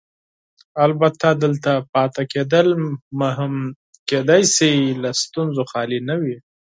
البته دلته پاتې کېدل مې هم کیدای شي له ستونزو خالي نه وي.